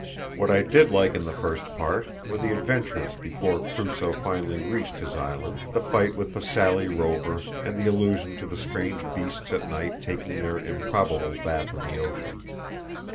What I did like in the first part were the adventures before Crusoe finally reached his island, the fight with the Sallee Rover, and the allusion to the strange beasts at night taking their improbable bath in the ocean.